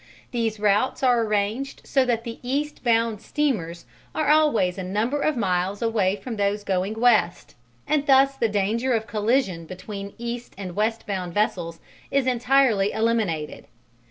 These routes are arranged so that east bound steamers are always a number of miles away from those going west, and thus the danger of collision between east and west bound vessels is entirely eliminated.